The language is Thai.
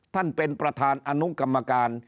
ท่านประธานอนุกรรมการ